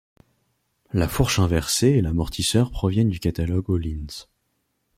La fourche inversée et l'amortisseur proviennent du catalogue Öhlins.